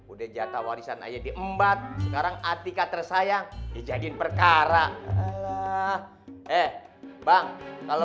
udah jatah warisan aja diembat sekarang atika tersayang dijadiin perkara eh bang kalau